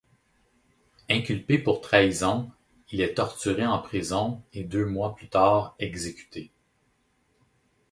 Inculpé pour trahison, il est torturé en prison et deux mois plus tard, exécuté.